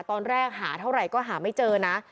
ตอนแรกหาเท่าไหร่ก็หาไม่เจอนะ